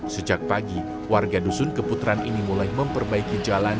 sejak pagi warga dusun keputeran ini mulai memperbaiki jalan